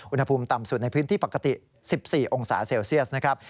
อุณหภูมิต่ำสุดในพื้นที่ปกติ๑๔องศาเซลเซียสนะครับ